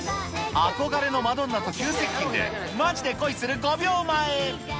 憧れのマドンナと急接近で、マジでコイする５秒前。